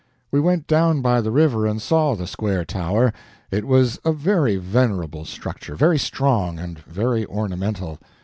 We went down by the river and saw the Square Tower. It was a very venerable structure, very strong, and very ornamental.